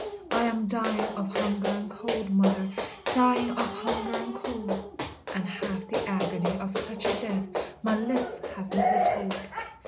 I am dying of hunger and cold, mother, Dying of hunger and cold; And half the agony of such a death My lips have never told.